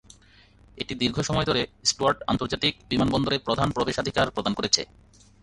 এটি দীর্ঘ সময় ধরে স্টুয়ার্ট আন্তর্জাতিক বিমানবন্দরে প্রধান প্রবেশাধিকার প্রদান করেছে।